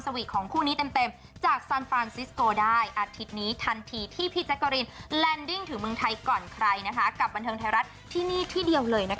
ซึ่งทาก้ำให้พีชบอกว่าถ้าจะมาเรียนไม่มาอันนี้แน่